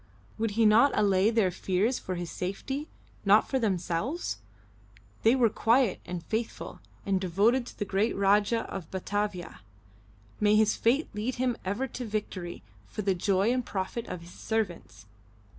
Would he not allay their fears for his safety, not for themselves? They were quiet and faithful, and devoted to the great Rajah in Batavia may his fate lead him ever to victory for the joy and profit of his servants!